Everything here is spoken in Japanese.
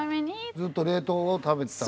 ずっと冷凍を食べてたの？